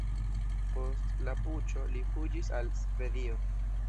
Post la puĉo li fuĝis al Svedio.